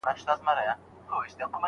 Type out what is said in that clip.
ډاکټره اوږده پاڼه ړنګه کړې وه.